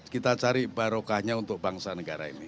kita cari barokahnya untuk bangsa negara ini